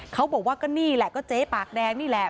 เขาบอกว่าก็นี่แหละก็เจ๊ปากแดงนี่แหละ